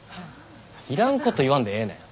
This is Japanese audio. いらんこと言わんでええねん。